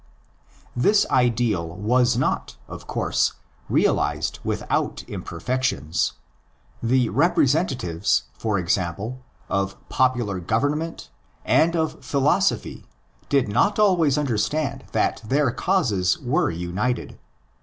This ideal was not, of course, realised without imperfections : the representatives, for example, of popular govern ment and of philosophy did not always understand that their causes were united.